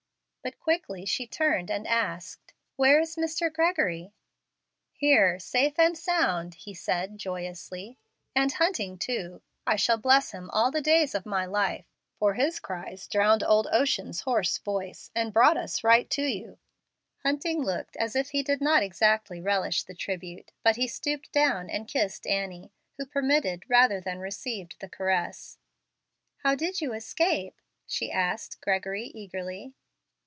But quickly she turned and asked, "Where is Mr. Gregory?" "Here, safe and sound," he said, joyously, "and Hunting, too. I shall bless him all the days of my life, for his cries drowned old ocean's hoarse voice and brought us right to you." Hunting looked as if he did not exactly relish the tribute, but he stooped down and kissed Annie, who permitted rather than received the caress. "How did you escape?" she asked Gregory, eagerly.